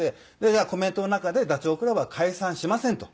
コメントの中でダチョウ倶楽部は解散しませんと。